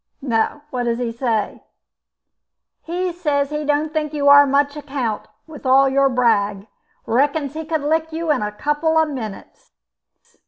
"No, what does he say?" "He says he don't think you are of much account with all your brag. Reckons he could lick you in a couple of minutes."